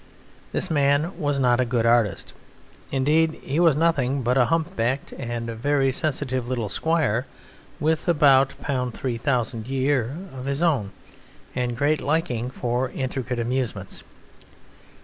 This man was not a good artist; indeed he was nothing but a humpbacked and very sensitive little squire with about £3000 a year of his own and great liking for intricate amusements.